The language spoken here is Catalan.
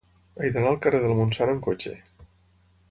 He d'anar al carrer del Montsant amb cotxe.